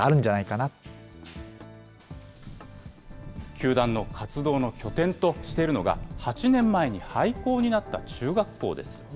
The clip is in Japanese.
球団の活動の拠点としているのが、８年前に廃校になった中学校です。